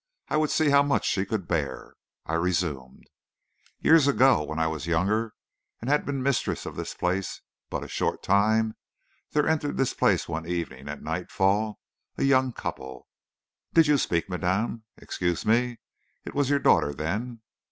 I would see how much she could bear. I resumed: "Years ago, when I was younger and had been mistress of this place but a short time, there entered this place one evening, at nightfall, a young couple. Did you speak, madame? Excuse me, it was your daughter, then?"